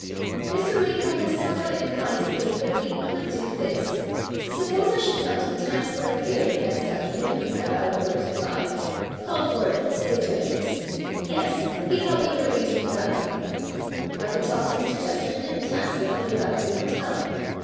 ... Mr. Widdecombe was somewhat in clined to think that we "could do" this: suppose I should come to the Times Square theatre the next after noon, at about a quarter to five, call for him at the stage entrance. Yes, he thought we could arrange it that way. I could talk to Mr. Chesterton in the taxi on the way back to the hotel.